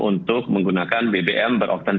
untuk menggunakan bbm beruang